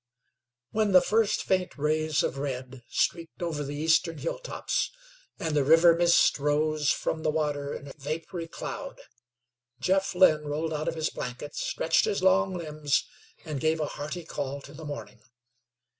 When the first faint rays of red streaked over the eastern hill tops, and the river mist arose from the water in a vapory cloud, Jeff Lynn rolled out of his blanket, stretched his long limbs, and gave a hearty call to the morning.